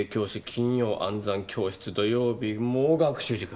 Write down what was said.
金曜暗算教室土曜日も学習塾。